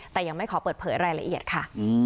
แต่ยังไม่ขอเปิดเผยรายละเอียดค่ะ